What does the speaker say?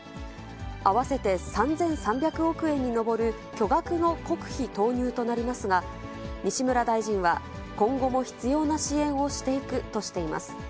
合わせて３３００億円に上る巨額の国費投入となりますが、西村大臣は、今後も必要な支援をしていくとしています。